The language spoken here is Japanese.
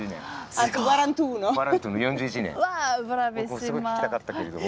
僕もすごい聞きたかったけれども。